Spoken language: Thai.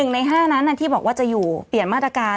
ใน๕นั้นที่บอกว่าจะอยู่เปลี่ยนมาตรการ